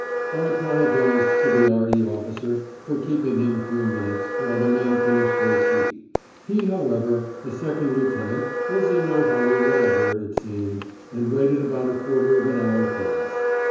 I apologised to the R.E. officer for keeping him a few minutes while the men finished their tea; he, however, a second lieutenant, was in no hurry whatever, it seemed, and waited about a quarter of an hour for us.